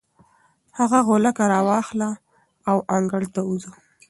هغه غولکه راواخله او انګړ ته ووځه.